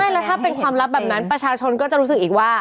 แล้วถ้าเป็นความลับแบบนั้นประชาชนก็จะรู้สึกอีกว่า